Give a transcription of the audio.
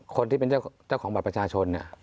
คนที่เป็นเจ้าของบัตรประชาชนเนี่ย